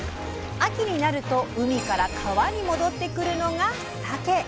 秋になると海から川に戻ってくるのがさけ。